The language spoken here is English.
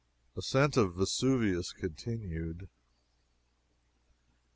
ASCENT OF VESUVIUS CONTINUED.